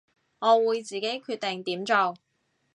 我會自己決定點做